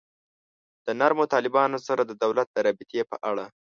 د نرمو طالبانو سره د دولت د رابطې په اړه.